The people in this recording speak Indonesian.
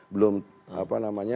belum apa namanya